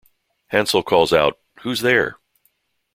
Hansel calls out, Who's there?